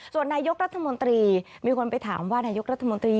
ส่วนนายกรัฐมนตรีมีคนไปถามว่านายกรัฐมนตรี